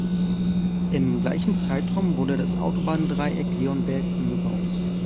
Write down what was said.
Im gleichen Zeitraum wurde das Autobahndreieck Leonberg umgebaut.